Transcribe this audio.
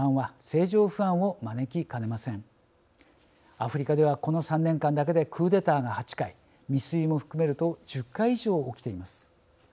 アフリカではこの３年間だけでクーデターが８回未遂も含めると１０回以上起きています。